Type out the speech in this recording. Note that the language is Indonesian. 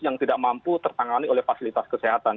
yang tidak mampu tertangani oleh fasilitas kesehatan